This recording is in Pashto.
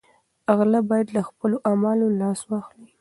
غله باید له خپلو اعمالو لاس واخلي.